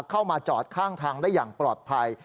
เข้ามาจอดข้างทางได้อย่างปลอดภัย